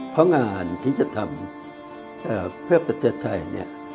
เพราะงานที่จะทำเพื่อประเทศไทยเนี่ย